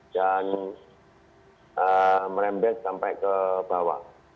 dan merembes sampai ke bawah